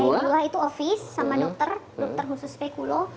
lantai dua itu ofis sama dokter dokter khusus spekulo